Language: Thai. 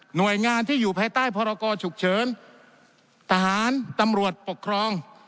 หน่วยงานที่อยู่ภายใต้พรกรฉุกเฉินทหารตำรวจปกครอง